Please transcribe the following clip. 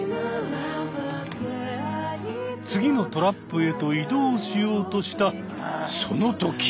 次のトラップへと移動しようとしたそのとき！